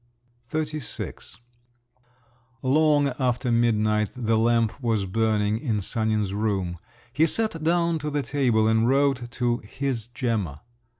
XXXVI Long after midnight the lamp was burning in Sanin's room. He sat down to the table and wrote to "his Gemma."